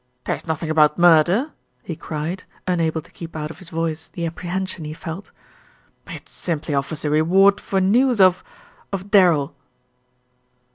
"There's nothing about murder," he cried, unable to keep out of his voice the apprehension he felt. "It simply offers a reward for news of of Darrell."